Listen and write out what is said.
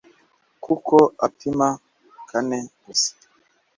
kuko apima kane gusa